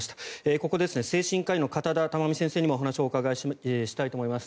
ここで精神科医の片田珠美先生にもお話を伺います。